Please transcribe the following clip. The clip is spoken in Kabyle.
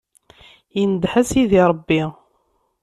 Indeh a Sidi Ṛebbi.